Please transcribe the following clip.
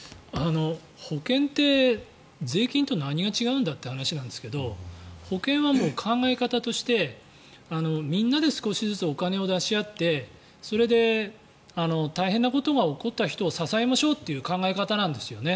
保険って税金と何が違うんだって話なんですが保険は考え方として、みんなで少しずつお金を出し合ってそれで大変なことが起こった人を支えましょうっていう考え方なんですよね。